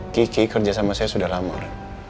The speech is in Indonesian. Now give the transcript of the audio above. kici kerja sama saya sudah lamar